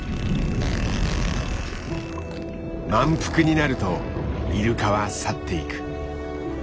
満腹になるとイルカは去っていく。